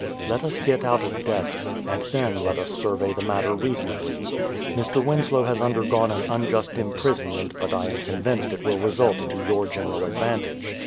... Let us get out of debt, and then let us survey the matter reasonably. ... Mr. Winslow has undergone an unjust imprisonment but I am con vinced it will result to your general advantage.